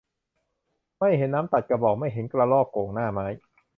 ไม่เห็นน้ำตัดกระบอก ไม่เห็นกระรอกโก่งหน้าไม้